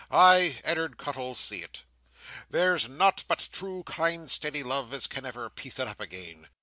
I, Ed'ard Cuttle, see it. There's nowt but true, kind, steady love, as can ever piece it up again.